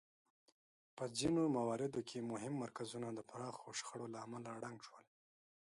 په ځینو مواردو کې مهم مرکزونه د پراخو شخړو له امله ړنګ شول